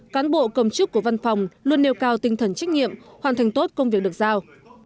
cán bộ công chức của văn phòng luôn nêu cao tinh thần trách nhiệm hoàn thành tốt công việc được giao